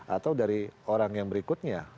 atau dari orang yang berikutnya